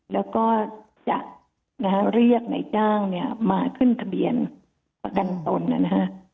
แล้วก็จะเรียกไหนจ้างมาขึ้นทะเบียนประกันตนนะครับ